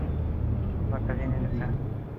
পুরো ঘরটা ভেঙে গেছে!